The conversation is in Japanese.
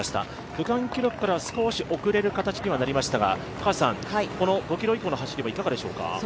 区間記録からは少し遅れる形にはなりましたが、この５ｋｍ以降の走りはいかがでしょうか？